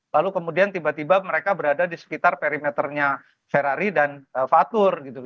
lalu kemudian tiba tiba mereka berada di sekitar perimeternya ferrari dan fatur gitu